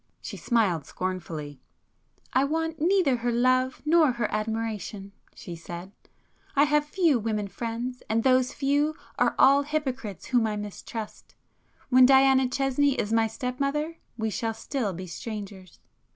She smiled scornfully. "I want neither her love nor her admiration,"—she said—"I have few women friends and those few are all hypocrites whom I mistrust. When Diana Chesney is my step mother, we shall still be strangers."